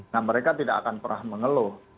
nah mereka tidak akan pernah mengeluh